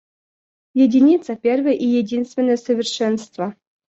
Единица первое и единственное совершенство.